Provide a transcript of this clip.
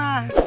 ya udah kang